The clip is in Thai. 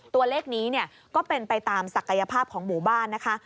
ตัวเลขนี้ก็เป็นไปตามศักยภาพของหมู่บ้านนะคะ